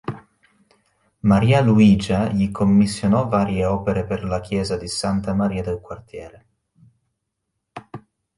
Maria Luigia gli commissionò varie opere per la chiesa di Santa Maria del Quartiere.